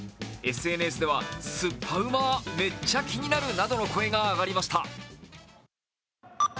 ＳＮＳではすっぱうま、めっちゃ気になるなどの声が上がりました。